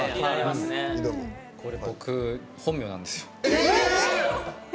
僕、本名なんですよ。